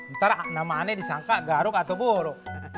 ntar namanya disangka garuk atau buruk